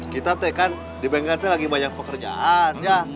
kita teteh kan di bengkante lagi banyak pekerjaan